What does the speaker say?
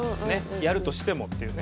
やるとしてもっていうね。